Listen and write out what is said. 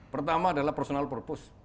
pertama adalah personal purpose